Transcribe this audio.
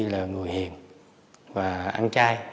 là người hiền và ăn chai